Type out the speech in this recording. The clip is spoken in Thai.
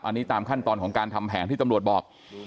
อันนี้ตามขั้นตอนของการทำแผนที่ตำรวจบอก